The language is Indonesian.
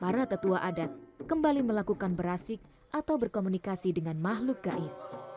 para tetua adat kembali melakukan berasik atau berkomunikasi dengan makhluk gaib